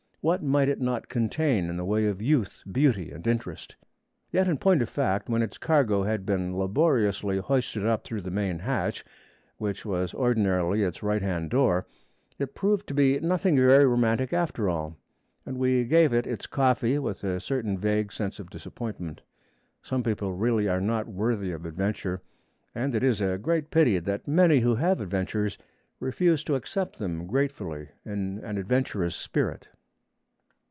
What might it not contain, in the way of youth, beauty, and interest? Yet in point of fact, when its cargo had been laboriously hoisted up through the main hatch, which was ordinarily its right hand door, it proved to be nothing very romantic after all, and we gave it its coffee with a certain vague sense of disappointment. Some people really are not worthy of adventure, and it is a great pity that many who have adventures refuse to accept them gratefully in an adventurous spirit.